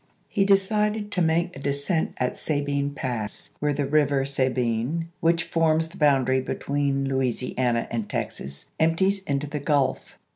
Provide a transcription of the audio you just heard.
He decided to make a descent at Sabine Pass, where the river Sabine, which forms the boundary between Lou isiana and Texas, empties into the Gulf.